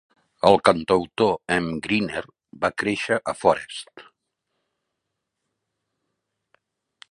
El cantautor Emm Gryner va créixer a Forest.